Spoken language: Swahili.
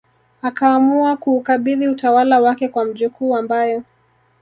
akaamua kuukabidhi utawala wake kwa mjukuu ambaye